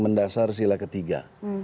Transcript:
mendasar sila ketiga